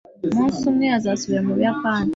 Umunsi umwe azasubira mu Buyapani.